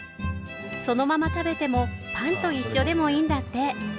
そのまま食べてもパンと一緒でもいいんだって。